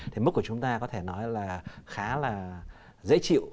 thì mức của chúng ta có thể nói là khá là dễ chịu